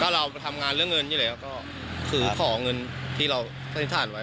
เรามันทำงานเรื่องเงินนี่แหละก็คือขอเงินที่เราสติธรณะไว้